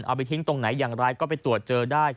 เอาไปทิ้งตรงไหนอย่างไรก็ไปตรวจเจอได้